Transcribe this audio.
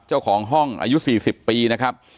เจ้าของห้องอายุ๔๐ปีนะครับ